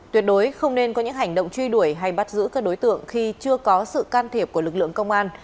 tuyệt đối không nên có những hành động truy đuổi hay bắt giữ các đối tượng khi chưa có sự can thiệp của lực lượng công an